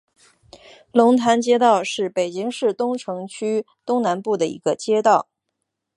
龙潭街道是北京市东城区东南部的一个街道。